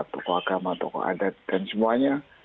tokoh agama tokoh adat dan semuanya